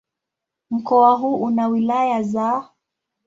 Mkoa huu una wilaya za